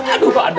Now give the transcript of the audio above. aduh pak adam